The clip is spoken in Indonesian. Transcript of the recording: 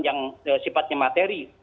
yang sifatnya materi